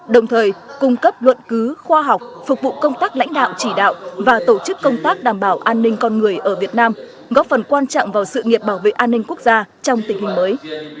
đồng thời cung cấp luận cứu khoa học phục vụ công tác lãnh đạo chỉ đạo và tổ chức công tác đảm bảo an ninh con người ở việt nam góp phần quan trọng vào sự nghiệp bảo vệ an ninh quốc gia trong tình hình mới